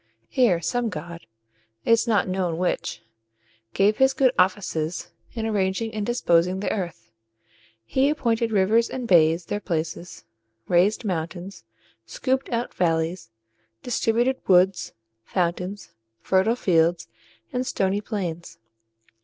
Here some god it is not known which gave his good offices in arranging and disposing the earth. He appointed rivers and bays their places, raised mountains, scooped out valleys, distributed woods, fountains, fertile fields, and stony plains.